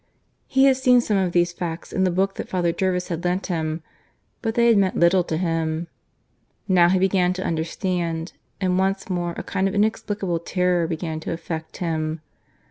He had seen some of these facts in the book that Father Jervis had lent him; but they had meant little to him. Now he began to understand, and once more a kind of inexplicable terror began to affect him.